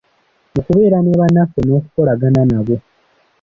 Mu kubeera ne bannaffe n'okukolagana nabo.